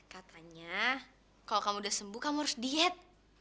katanya kalau kamu sudah sembuh kamu harus diet